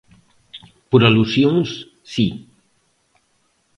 Por alusións, si.